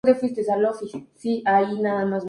Forma parte de la Nueva Ola Checoslovaca.